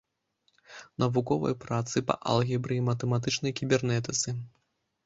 Навуковыя працы па алгебры і матэматычнай кібернетыцы.